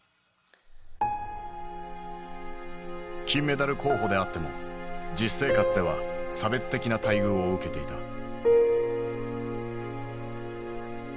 金メダル候補であっても実生活では差別的な待遇を受けていた。